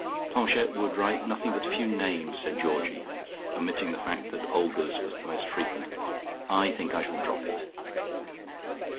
"Planchette would write nothing but a few names," said Georgie, omitting the fact that Olga's was the most frequent. "I think I shall drop it."